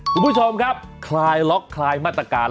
คุณผู้ชมครับคลายล็อกคลายมาตรการ